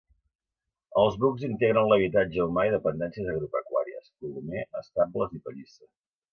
Els bucs integren l’habitatge humà i dependències agropecuàries: colomer, estables i pallissa.